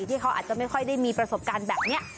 ที่เขาอาจจะไม่ค่อยได้มีประสบการณ์แบบนี้